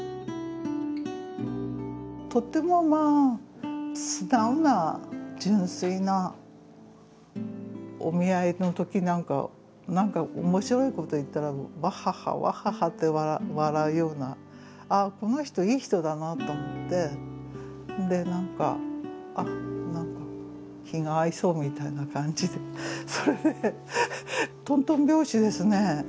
とってもまあ素直な純粋なお見合いの時なんか何か面白いこと言ったらわっはっはわっはっはって笑うようなあっこの人いい人だなと思って気が合いそうみたいな感じでそれでとんとん拍子ですね